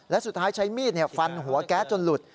และสุดท้ายใช้มีดฟันหัวแก๊สจนหลุด